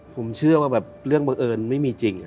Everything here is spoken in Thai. ผมเชื่อว่าแบบเรื่องบังเอิญไม่มีจริง